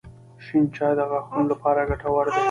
• شین چای د غاښونو لپاره ګټور دی.